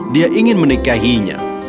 dia ingin menikahinya